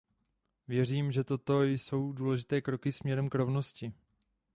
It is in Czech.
Věřím, že toto jsou důležité kroky směrem k rovnosti.